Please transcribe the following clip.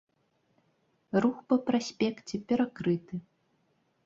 Рух па праспекце перакрыты.